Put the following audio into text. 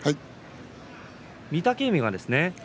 御嶽海はですね